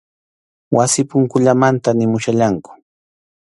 Wasi punkullamanta nimuwachkanku.